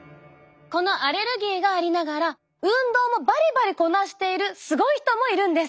このアレルギーがありながら運動もバリバリこなしているすごい人もいるんです。